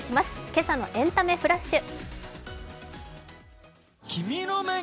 「今朝のエンタメフラッシュ」。